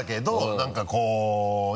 何かこうね